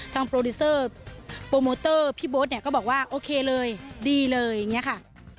โปรดิวเซอร์โปรโมเตอร์พี่โบ๊ทเนี่ยก็บอกว่าโอเคเลยดีเลยอย่างนี้ค่ะ